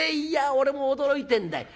「いや俺も驚いてんだ。